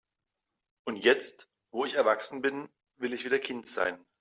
Und jetzt, wo ich erwachsen bin, will ich wieder Kind sein.